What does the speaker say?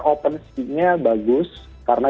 opensea nya bagus karena